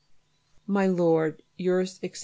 My Lord, Yours, etc.